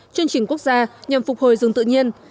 chương trình quốc gia nhằm phục hồi rừng tự nhiên